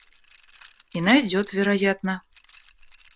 И найдет, вероятно.